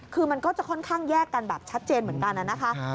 คือมันก็จะค่อนข้างแยกกันแบบชัดเจนเหมือนกันนะคะ